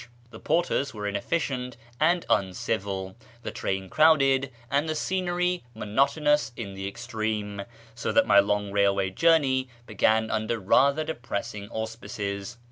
The porters were inefficient and uncivil, the train crowded, and the scenery monotonous in the extreme, so that my long railway journey began under rather depressing auspices.